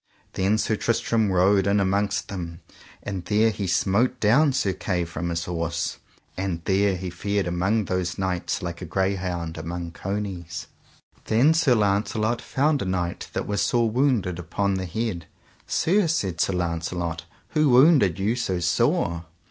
Then Sir Tristram rode in amongst them, and there he smote down Sir Kay from his horse; and there he fared among those knights like a greyhound among conies. Then Sir Launcelot found a knight that was sore wounded upon the head. Sir, said Sir Launcelot, who wounded you so sore?